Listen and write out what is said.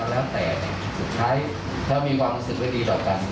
ตั้งแต่สุดท้ายเขามีความรู้สึกว่าดีดอกกัน